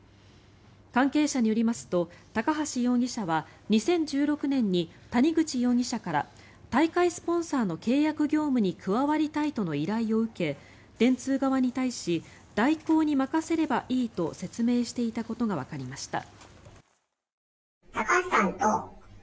関係者によりますと高橋容疑者は２０１６年に谷口容疑者から大会スポンサーの契約業務に加わりたいとの依頼を受け電通側に対し大広に任せればいいと説明していたことがわかりました。